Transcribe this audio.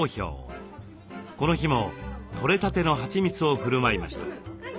この日もとれたてのはちみつをふるまいました。